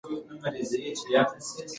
هغې په پښتو خبرې پیل کړې.